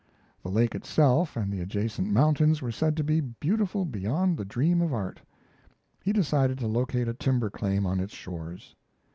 The lake itself and the adjacent mountains were said to be beautiful beyond the dream of art. He decided to locate a timber claim on its shores.